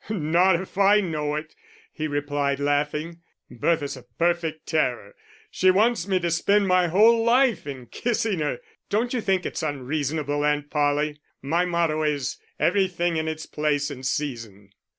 "Not if I know it," he replied, laughing. "Bertha's a perfect terror. She wants me to spend my whole life in kissing her.... Don't you think it's unreasonable, Aunt Polly? My motto is: everything in its place and season."